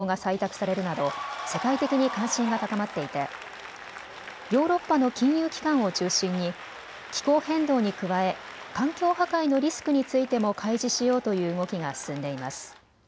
自然環境の保全を巡ってはＣＯＰ１５で各国が取り組む新たな目標が採択されるなど世界的に関心が高まっていてヨーロッパの金融機関を中心に気候変動に加え、環境破壊のリスクについても開示しようという動きが進んでいます。